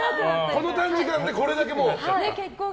この短時間でこれだけ。